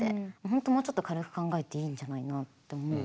本当もうちょっと軽く考えていいんじゃないのって思う。